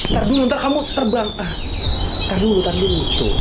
ntar dulu ntar kamu terbang ah dulu ntar dulu